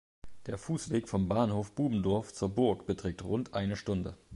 Der Fussweg vom Bahnhof Bubendorf zur Burg beträgt rund eine Stunde.